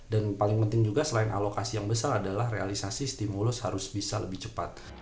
dan paling penting juga selain alokasi yang besar adalah realisasi stimulus harus bisa lebih cepat